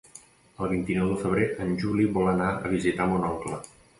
El vint-i-nou de febrer en Juli vol anar a visitar mon oncle.